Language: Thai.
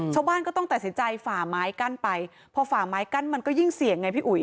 ชาวบ้านก็ต้องตัดสินใจฝ่าไม้กั้นไปพอฝ่าไม้กั้นมันก็ยิ่งเสี่ยงไงพี่อุ๋ย